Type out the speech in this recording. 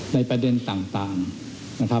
ในประเด็นต่าง